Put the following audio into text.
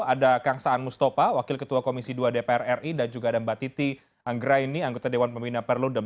ada kang saan mustopha wakil ketua komisi dua dpr ri dan juga ada mbak titi anggraini anggota dewan pembina perludem